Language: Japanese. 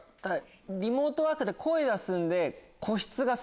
リモートワークで声出すんで。